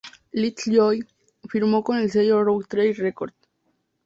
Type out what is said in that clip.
Little Joy firmó con el sello Rough Trade Records.